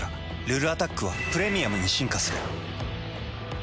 「ルルアタック」は「プレミアム」に進化する。